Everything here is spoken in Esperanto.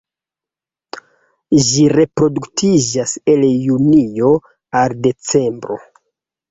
Ĝi reproduktiĝas el junio al decembro.